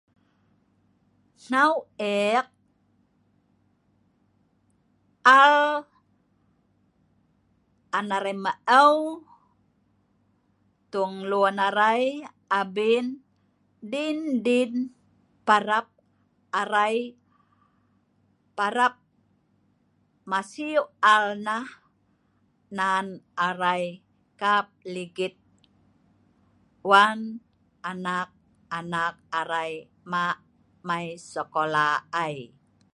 In my mind, we take care of our chicken for the rest of our lives because whenever we can, we can sell the chickens to earn money for our children who go to school